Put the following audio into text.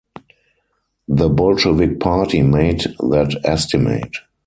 The Bolshevik party made that estimate.